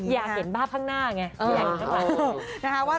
อยากเห็นภาพข้างหน้าไง